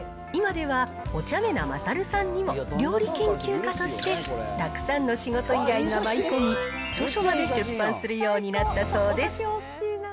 今ではおちゃめなまさるさんにも、料理研究家としてたくさんの仕事依頼が舞い込み、著書まで出版するようになったそうです。